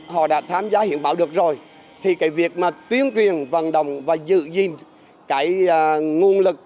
họ đã tham gia hiến máu được rồi thì cái việc mà tuyên truyền vận động và giữ gìn cái nguồn lực